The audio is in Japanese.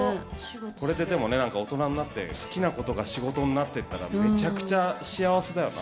これででもね大人になって好きなことが仕事になってったらめちゃくちゃ幸せだよな。